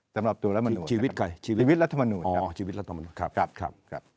สำหรับตัวรับมนุนชีวิตรัฐมนุน